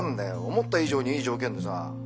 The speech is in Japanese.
思った以上にいい条件でさ。